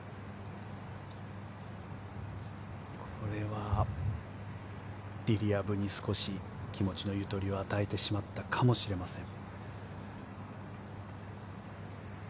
これはリリア・ブに少し気持ちのゆとりを与えてしまったかもしれません。